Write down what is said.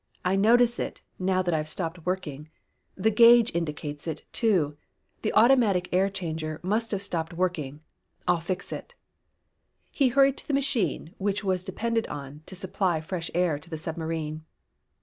I notice it, now that I've stopped working. The gage indicates it, too. The automatic air changer must have stopped working. I'll fix it." He hurried to the machine which was depended on to supply fresh air to the submarine.